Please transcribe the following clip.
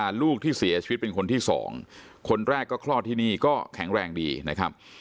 ลูกที่เสียชีวิตเป็นคนที่สองคนแรกก็คลอดที่นี่ก็แข็งแรงดีนะครับ